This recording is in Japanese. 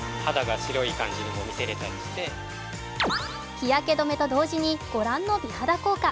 日焼け止めと同時にご覧の美肌効果。